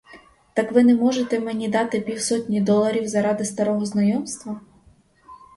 Так ви не можете мені дати півсотні доларів заради старого знайомства?